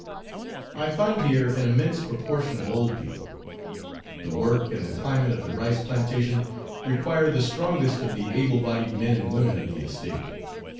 I find here an immense proportion of old people; the work and the climate of the rice plantation require the strongest of the able bodied men and women of the estate.